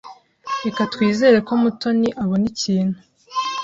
Reka twizere ko Mutoni abona ikintu.